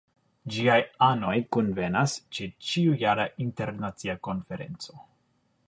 Ĝiaj anoj kunvenas ĉe ĉiujara Internacia Konferenco.